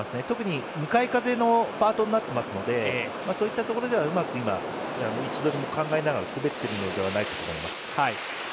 特に向かい風のパートですのでそういったところではうまく位置取りも考えながら滑ってるのではないかと思います。